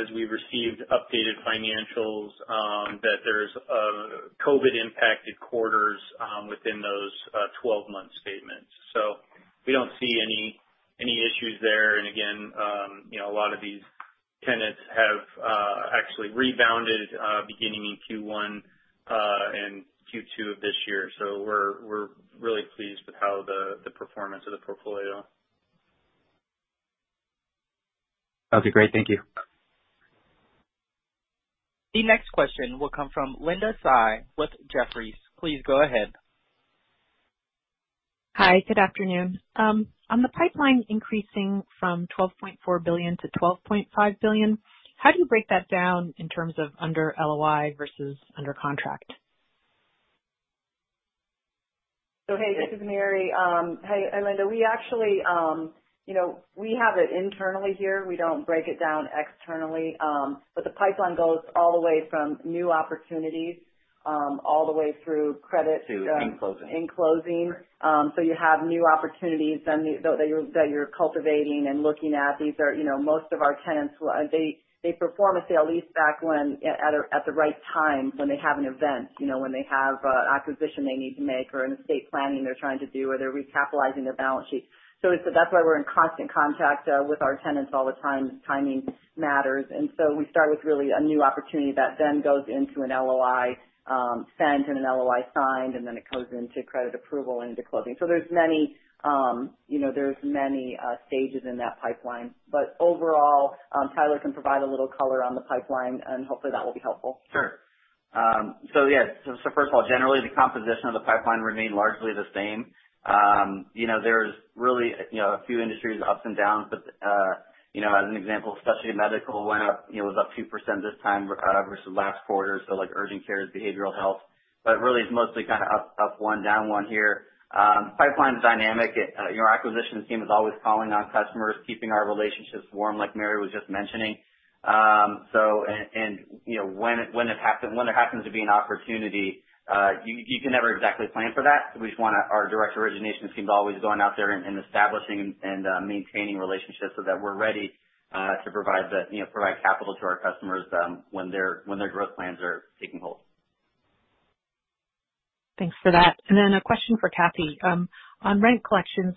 as we received updated financials, that there's COVID impacted quarters within those 12-month statements. We don't see any issues there. Again, a lot of these tenants have actually rebounded beginning in Q1 and Q2 of this year. We're really pleased with how the performance of the portfolio. Okay, great. Thank you. The next question will come from Linda Tsai with Jefferies. Please go ahead. Hi, good afternoon. On the pipeline increasing from $12.4 billion to $12.5 billion, how do you break that down in terms of under LOI versus under contract? Hey, this is Mary. Hi, Linda. We have it internally here. We don't break it down externally. The pipeline goes all the way from new opportunities, all the way through. To in closing. In closing. You have new opportunities that you're cultivating and looking at. Most of our tenants, they perform a sale-leaseback at the right time when they have an event. When they have an acquisition they need to make or an estate planning they're trying to do, or they're recapitalizing their balance sheet. That's why we're in constant contact with our tenants all the time. Timing matters. We start with really a new opportunity that then goes into an LOI sent and an LOI signed, and then it goes into credit approval into closing. There's many stages in that pipeline. Overall, Tyler can provide a little color on the pipeline, and hopefully that will be helpful. Sure. Yes. First of all, generally, the composition of the pipeline remained largely the same. There's really a few industries, ups and downs. As an example, specialty medical was up 2% this time versus last quarter. Like urgent care, behavioral health. Really, it's mostly up one down one here. Pipeline is dynamic. Our acquisitions team is always calling on customers, keeping our relationships warm, like Mary was just mentioning. When there happens to be an opportunity, you can never exactly plan for that. Our direct origination team's always going out there and establishing and maintaining relationships so that we're ready to provide capital to our customers when their growth plans are taking hold. Thanks for that. A question for Cathy. On rent collections,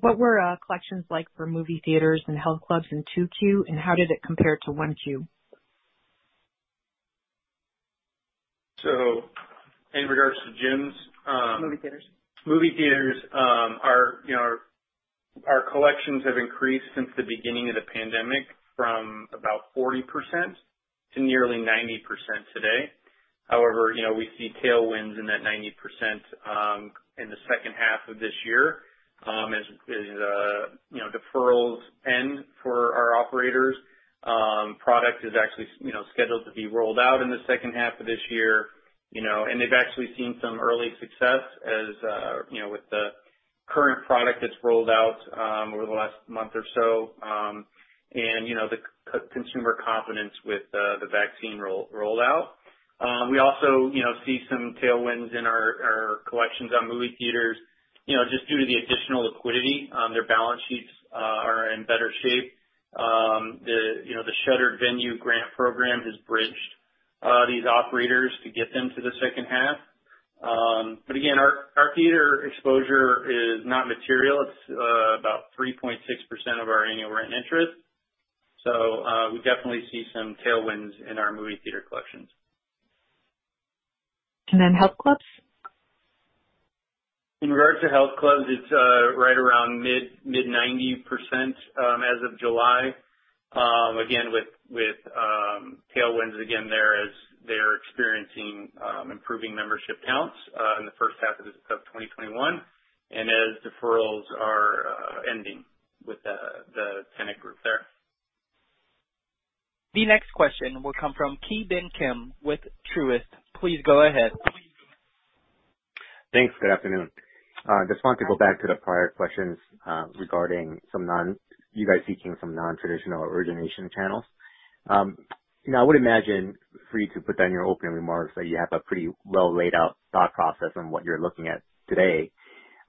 what were collections like for movie theaters and health clubs in Q2, and how did it compare to Q1? in regards to gyms. Movie theaters movie theaters, our collections have increased since the beginning of the pandemic from about 40% to nearly 90% today. We see tailwinds in that 90% in the second half of this year as deferrals end for our operators. Product is actually scheduled to be rolled out in the second half of this year. They've actually seen some early success as with the current product that's rolled out over the last month or so. The consumer confidence with the vaccine rollout. We also see some tailwinds in our collections on movie theaters just due to the additional liquidity. Their balance sheets are in better shape. The Shuttered Venue Operators Grant program has bridged these operators to get them to the second half. Again, our theater exposure is not material. It's about 3.6% of our annual rent interest. We definitely see some tailwinds in our movie theater collections. Health clubs? In regards to health clubs, it's right around mid-90% as of July. With tailwinds again there as they're experiencing improving membership counts in the first half of 2021 and as deferrals are ending with the tenant group there. The next question will come from Ki Bin Kim with Truist. Please go ahead. Thanks. Good afternoon. Wanted to go back to the prior questions regarding you guys seeking some non-traditional origination channels. I would imagine for you to put that in your opening remarks, that you have a pretty well laid out thought process on what you're looking at today.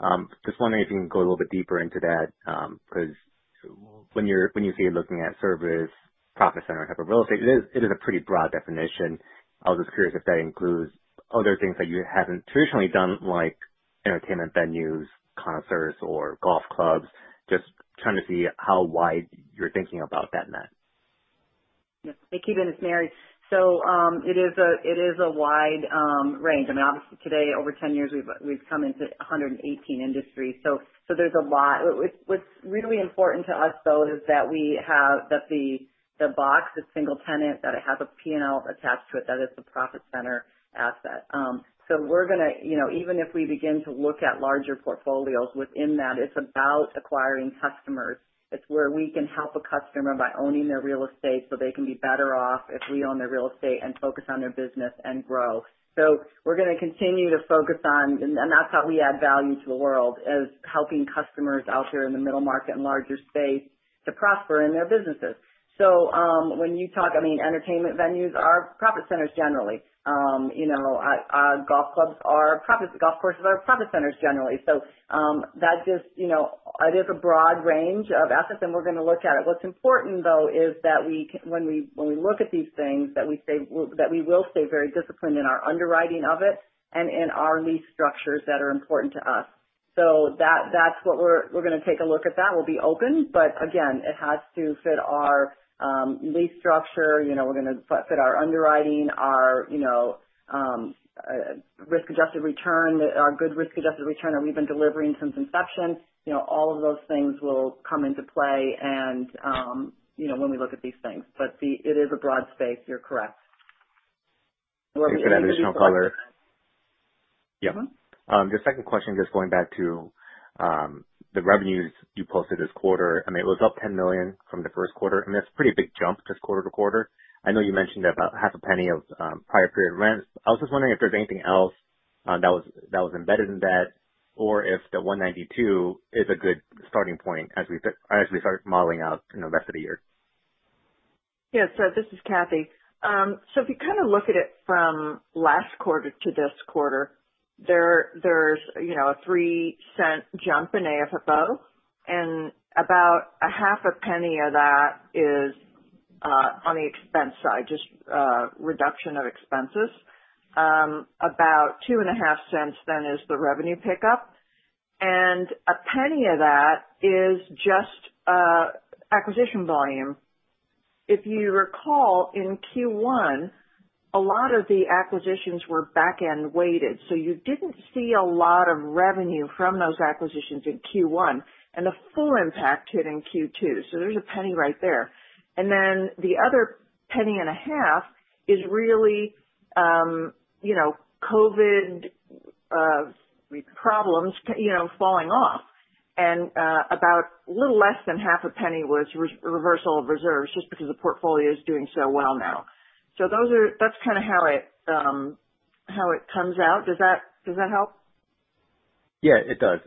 Wondering if you can go a little bit deeper into that. When you say you're looking at service profit center type of real estate, it is a pretty broad definition. I was just curious if that includes other things that you haven't traditionally done, like entertainment venues, concerts, or golf clubs. Trying to see how wide you're thinking about that net. Yes. Hey, Ki Bin, it's Mary. It is a wide range. I mean, obviously today, over 10 years, we've come into 118 industries, so there's a lot. What's really important to us, though, is that we have the box, the single tenant, that it has a P&L attached to it, that it's a profit center asset. Even if we begin to look at larger portfolios within that, it's about acquiring customers. It's where we can help a customer by owning their real estate so they can be better off if we own their real estate and focus on their business and grow. We're going to continue to focus on. That's how we add value to the world, is helping customers out there in the middle market and larger space to prosper in their businesses. When you talk, entertainment venues are profit centers generally. Golf courses are profit centers generally. It is a broad range of assets, and we're going to look at it. What's important, though, is that when we look at these things, that we will stay very disciplined in our underwriting of it and in our lease structures that are important to us. We're going to take a look at that. We'll be open, but again, it has to fit our lease structure. We're going to fit our underwriting, our good risk-adjusted return that we've been delivering since inception. All of those things will come into play when we look at these things. It is a broad space, you're correct. Thanks for that additional color. Yeah. The second question, just going back to the revenues you posted this quarter. It was up $10 million from the first quarter. That's a pretty big jump just quarter-to-quarter. I know you mentioned about half a penny of prior period rent. I was just wondering if there's anything else that was embedded in that, or if the $192 is a good starting point as we start modeling out the rest of the year. Yeah. This is Cathy. If you look at it from last quarter to this quarter, there's a $0.03 jump in AFFO. About $0.005 of that is on the expense side, just reduction of expenses. About $0.025 then is the revenue pickup. A $0.01 of that is just acquisition volume. If you recall, in Q1, a lot of the acquisitions were back-end weighted, so you didn't see a lot of revenue from those acquisitions in Q1, and the full impact hit in Q2. There's a $0.01 right there. The other $0.015 is really COVID problems falling off. About a little less than $0.005 was reversal of reserves, just because the portfolio is doing so well now. That's kind of how it comes out. Does that help? Yeah, it does.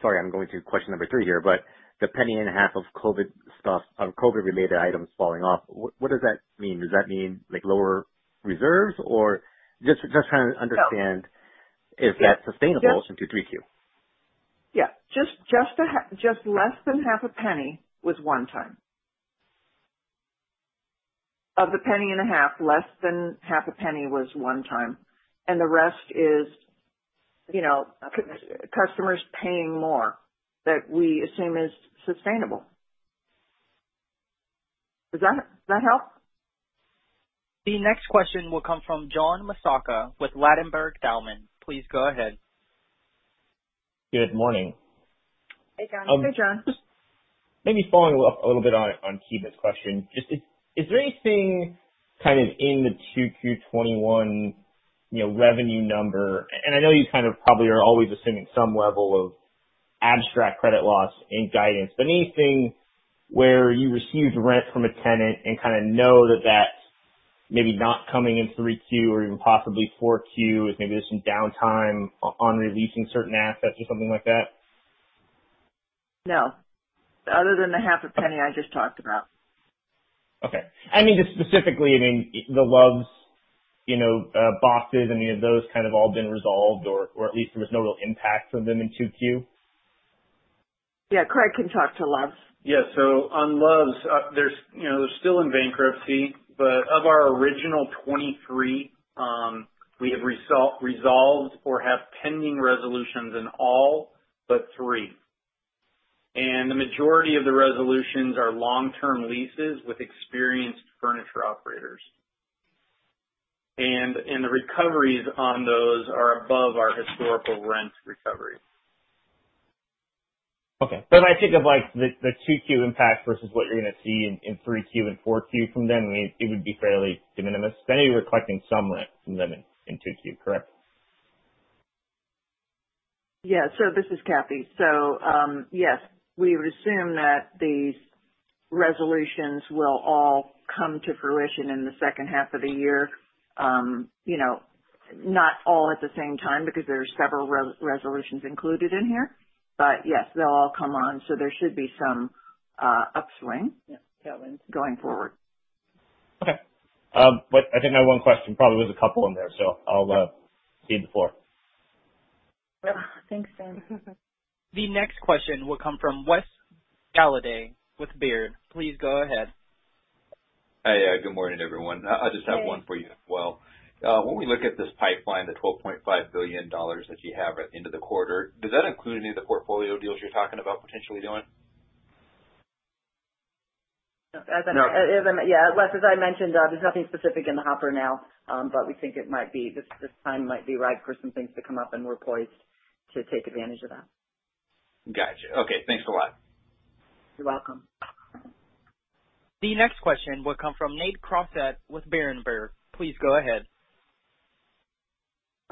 Sorry, I'm going to question number 3 here. The penny and a half of COVID-related items falling off, what does that mean? Does that mean lower reserves? Just trying to understand? No. if that's sustainable into 3Q. Yeah. Just less than half a penny was one-time. Of the penny and a half, less than half a penny was one-time, and the rest is customers paying more that we assume is sustainable. Does that help? The next question will come from John Massocca with Ladenburg Thalmann. Please go ahead. Good morning. Hey, John. Just maybe following a little bit on Ki Bin's question, just is there anything in the 2Q21 revenue number? I know you probably are always assuming some level of abstract credit loss in guidance. Anything where you received rent from a tenant and kind of know that that's maybe not coming in 3Q or even possibly 4Q, if maybe there's some downtime on releasing certain assets or something like that? No, other than the half a penny I just talked about. Okay. Just specifically, the Loves boxes. Any of those kind of all been resolved, or at least there was no real impact from them in 2Q? Yeah, Craig can talk to Loves. On Loves, they're still in bankruptcy, but of our original 23, we have resolved or have pending resolutions in all but three. The majority of the resolutions are long-term leases with experienced furniture operators. The recoveries on those are above our historical rent recovery. If I think of the 2Q impact versus what you're going to see in 3Q and 4Q from them, it would be fairly de minimis, but you're collecting some rent from them in 2Q, correct? This is Cathy. Yes, we would assume that these resolutions will all come to fruition in the second half of the year. Not all at the same time, because there's several resolutions included in here. Yes, they'll all come on. Yeah. Tailwinds. going forward. Okay. I think my one question probably was a couple in there, so I'll cede the floor. Thanks, John. The next question will come from Wes Golladay with Baird. Please go ahead. Hey. Good morning, everyone. Hey. I just have one for you as well. When we look at this pipeline, the $12.5 billion that you have at end of the quarter, does that include any of the portfolio deals you're talking about potentially doing? Yeah, Wes, as I mentioned, there's nothing specific in the hopper now. We think this time might be right for some things to come up, and we're poised to take advantage of that. Got you. Okay. Thanks a lot. You're welcome. The next question will come from Nate Crossett with Berenberg. Please go ahead.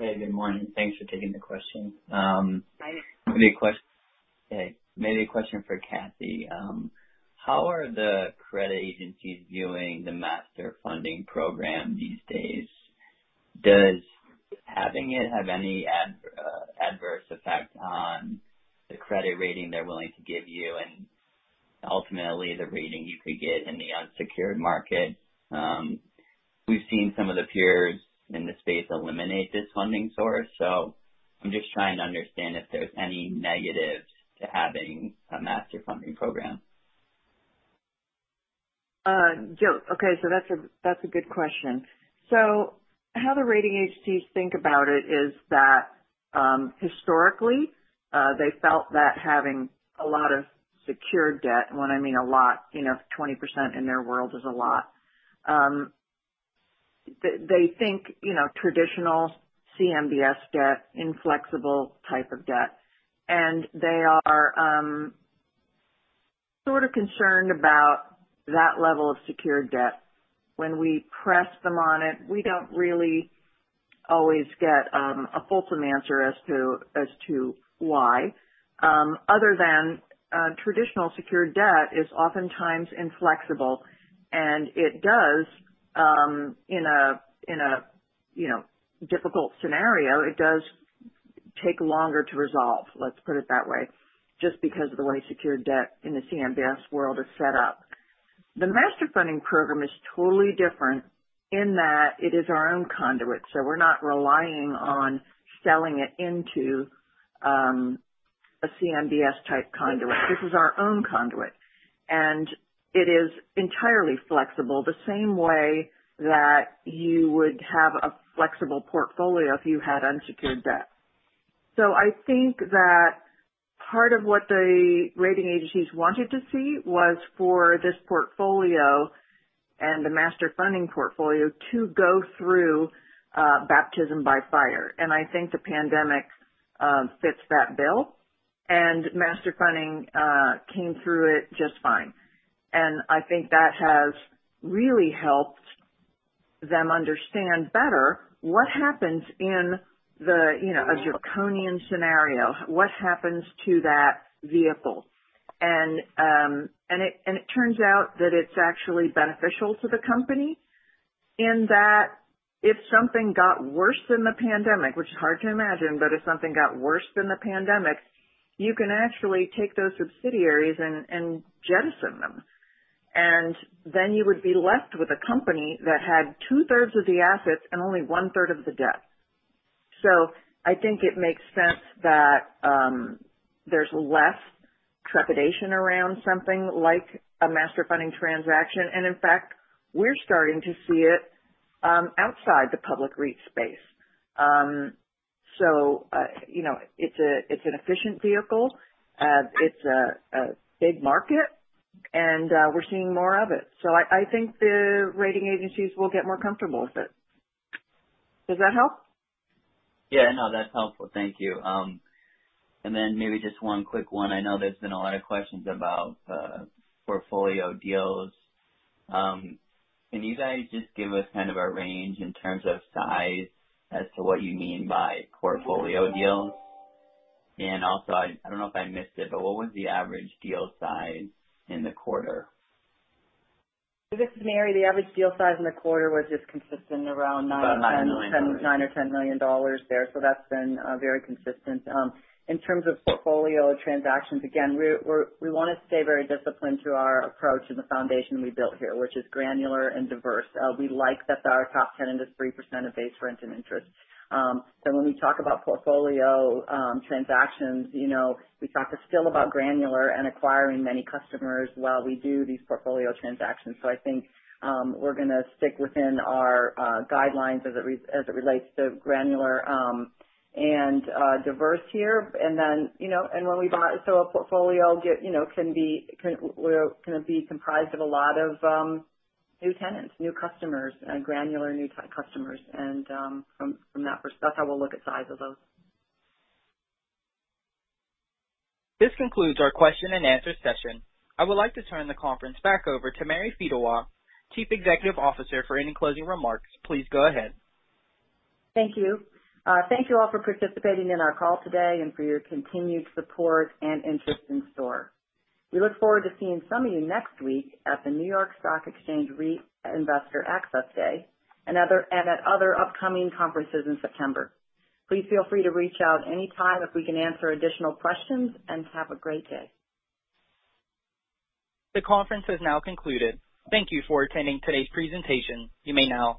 Hey, good morning. Thanks for taking the question. Hi, Nate. Maybe a question for Cathy. How are the credit agencies viewing the STORE Master Funding program these days? Does having it have any adverse effect on the credit rating they're willing to give you, and ultimately the rating you could get in the unsecured market? We've seen some of the peers in the space eliminate this funding source, so I'm just trying to understand if there's any negatives to having a STORE Master Funding program. Okay, that's a good question. How the rating agencies think about it is that, historically, they felt that having a lot of secured debt, and when I mean a lot, 20% in their world is a lot. They think traditional CMBS debt, inflexible type of debt. They are sort of concerned about that level of secured debt. When we press them on it, we don't really always get a fulsome answer as to why. Other than traditional secured debt is oftentimes inflexible, and it does, in a difficult scenario, it does take longer to resolve, let's put it that way, just because of the way secured debt in the CMBS world is set up. The Master Funding program is totally different in that it is our own conduit. We're not relying on selling it into a CMBS-type conduit. This is our own conduit. It is entirely flexible, the same way that you would have a flexible portfolio if you had unsecured debt. I think that part of what the rating agencies wanted to see was for this portfolio and the Master Funding portfolio to go through baptism by fire. I think the pandemic fits that bill. Master Funding came through it just fine. I think that has really helped them understand better what happens in a draconian scenario. What happens to that vehicle? It turns out that it's actually beneficial to the company in that if something got worse than the pandemic, which is hard to imagine, but if something got worse than the pandemic, you can actually take those subsidiaries and jettison them. Then you would be left with a company that had two-thirds of the assets and only one-third of the debt. I think it makes sense that there's less trepidation around something like a Master Funding transaction. In fact, we're starting to see it outside the public REIT space. It's an efficient vehicle. It's a big market, and we're seeing more of it. I think the rating agencies will get more comfortable with it. Does that help? Yeah, no, that's helpful. Thank you. Maybe just one quick one. I know there's been a lot of questions about portfolio deals. Can you guys just give us kind of a range in terms of size as to what you mean by portfolio deals? I don't know if I missed it, but what was the average deal size in the quarter? This is Mary. The average deal size in the quarter was just consistent around 9 or $10 million there. That's been very consistent. In terms of portfolio transactions, again, we want to stay very disciplined to our approach and the foundation we built here, which is granular and diverse. We like that our top 10 is 3% of base rents and interest. When we talk about portfolio transactions, we talk still about granular and acquiring many customers while we do these portfolio transactions. I think we're going to stick within our guidelines as it relates to granular and diverse here. A portfolio can be comprised of a lot of new tenants, new customers, and granular new customers. From that perspective, we'll look at size of those. This concludes our question-and-answer session. I would like to turn the conference back over to Mary Fedewa, Chief Executive Officer, for any closing remarks. Please go ahead. Thank you. Thank you all for participating in our call today and for your continued support and interest in STORE. We look forward to seeing some of you next week at the New York Stock Exchange REIT Investor Access Day and at other upcoming conferences in September. Please feel free to reach out anytime if we can answer additional questions, and have a great day. The conference has now concluded. Thank you for attending today's presentation. You may now disconnect.